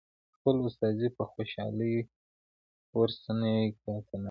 خپل استازی په خوشالۍ ور ستنوي که نه.